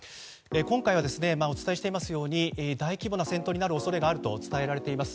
今回はお伝えしていますように大規模な戦闘になる恐れがあると伝えられています。